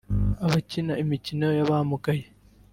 Abakina imikino y’abamugaye